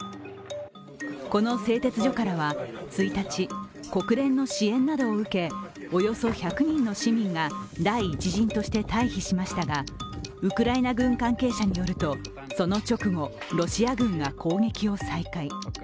この製鉄所からは１日、国連の支援などを受けおよそ１００人の市民が第１陣として退避しましたがウクライナ軍関係者によるとその直後、ロシア軍が攻撃を再開。